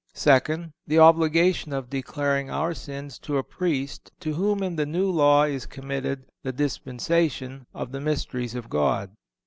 Second, the obligation of declaring our sins to a Priest to whom in the New Law is committed "the dispensation of the mysteries of God."